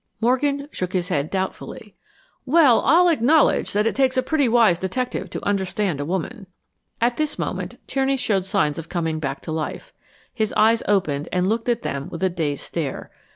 Morgan shook his head doubtfully. "Well, I'll acknowledge that it takes a pretty wise detective to understand a woman." At this moment, Tierney showed signs of coming back to life. His eyes opened and looked at them with a dazed stare.